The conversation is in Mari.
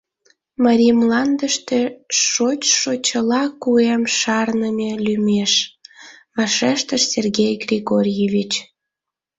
— Марий мландыште шочшо чыла куэм шарныме лӱмеш, — вашештыш Сергей Григорьевич.